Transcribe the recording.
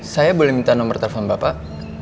saya boleh minta nomor telepon bapak